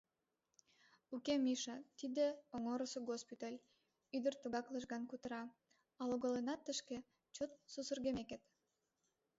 — Уке, Миша, тиде Оҥорысо госпиталь, — ӱдыр тугак лыжган кутыра, — А логалынат тышке чот сусыргымекет.